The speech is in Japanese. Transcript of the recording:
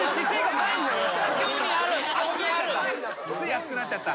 熱くなっちゃった。